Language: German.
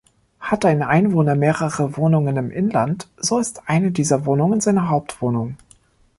Hat ein Einwohner mehrere Wohnungen im Inland, so ist eine dieser Wohnungen seine Hauptwohnung.